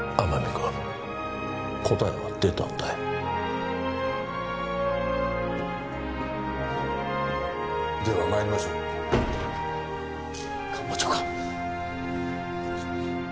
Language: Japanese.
君答えは出たんだよではまいりましょう官房長官！